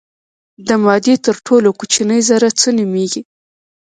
د مادې تر ټولو کوچنۍ ذره څه نومیږي.